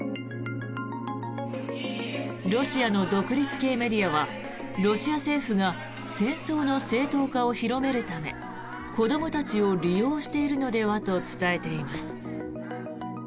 ロシアの独立系メディアはロシア政府が戦争の正当化を広めるため子どもたちを利用しているのではと伝えています。